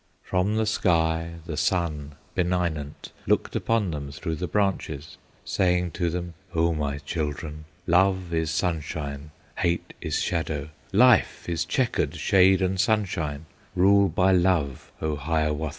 From the sky the sun benignant Looked upon them through the branches, Saying to them, "O my children, Love is sunshine, hate is shadow, Life is checkered shade and sunshine, Rule by love, O Hiawatha!"